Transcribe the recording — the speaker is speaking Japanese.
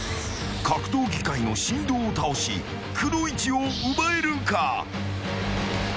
［格闘技界の神童を倒しくのいちを奪えるか？］